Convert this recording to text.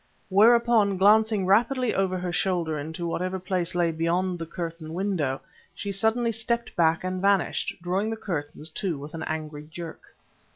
Whereupon, glancing rapidly over her shoulder into whatever place lay beyond the curtained doorway, she suddenly stepped back and vanished, drawing the curtains to with an angry jerk.